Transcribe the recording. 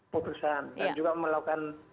putusan dan juga melakukan